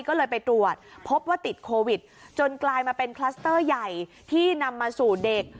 ก็เลยไปตรวจพบว่าติดโควิดจนกลายมาเป็นคลัสเตอร์ใหญ่ที่นำมาสู่เด็ก